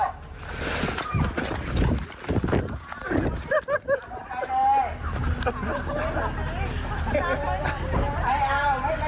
เล่าจะมาทำกิจตกตามอันนี้ขาดไป